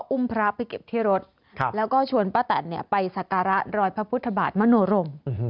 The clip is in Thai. อุ้มพระไปเก็บที่รถแล้วก็ชวนป้าแตนไปสักการะรอยพระพุทธบาทมโนรม